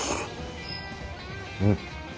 うん！